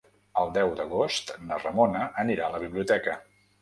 El deu d'agost na Ramona anirà a la biblioteca.